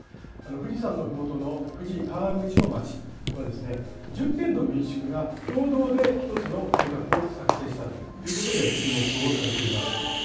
富士山のふもとの富士河口湖町は、１０軒の民宿が共同で一つの計画を作成したということで、注目をされています。